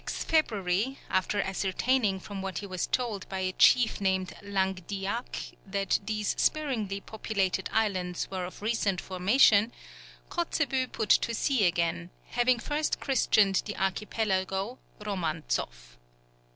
_] On the 6th February, after ascertaining from what he was told by a chief named Languediak, that these sparsely populated islands were of recent formation, Kotzebue put to sea again, having first christened the archipelago Romantzoff.